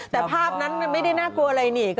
แต่ภาพนั้นมันไม่ได้น่ากลัวอะไรนี่